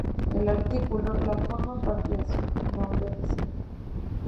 El artículo ""La"" forma parte de su nombre oficial.